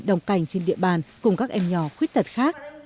đồng cảnh trên địa bàn cùng các em nhỏ khuyết tật khác